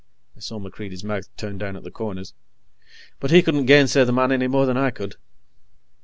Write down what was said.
I saw MacReidie's mouth turn down at the corners. But he couldn't gainsay the man any more than I could.